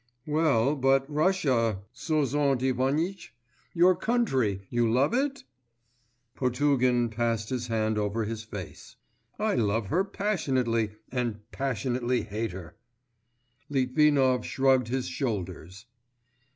'Well, but Russia, Sozont Ivanitch, your country you love it?' Potugin passed his hand over his face. 'I love her passionately and passionately hate her.' Litvinov shrugged his shoulders.